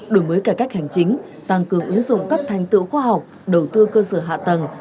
đổi mới cải cách hành chính tăng cường ứng dụng các thành tựu khoa học đầu tư cơ sở hạ tầng